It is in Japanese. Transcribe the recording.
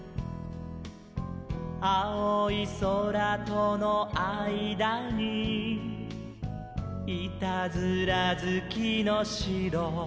「あおいそらとのあいだにいたずらずきのしろ」